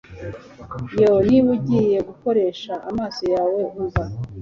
Yoo niba ugiye gukoresha amaso yawe umva